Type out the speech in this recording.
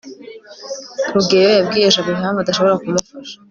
rugeyo yabwiye jabo impamvu adashobora kumufasha